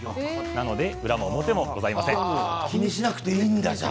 なので裏も表もございません。